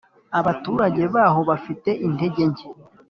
Abaturage b’aho bafite intege nke,